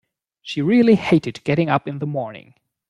She really hated getting up in the morning